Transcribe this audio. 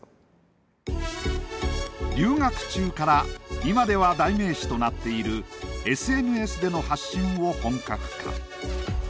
留学中から今では代名詞となっているＳＮＳでの発信を本格化。